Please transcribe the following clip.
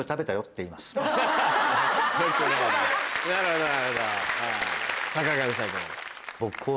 いかがでしょう？